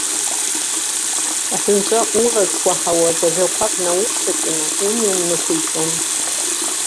Аҳәынҵәа улазкәаҳауаз ажәақәак наушьҭаҵаны умҩа унықәиҵон.